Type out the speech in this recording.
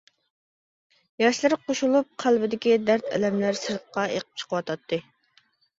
ياشلىرىغا قوشۇلۇپ قەلبىدىكى دەرد-ئەلەملەر سىرتقا ئېقىپ چىقىۋاتاتتى.